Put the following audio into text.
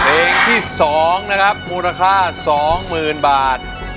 เพลงที่๒นะครับมูลค่า๒๐๐๐บาท